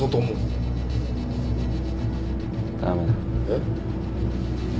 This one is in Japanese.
えっ？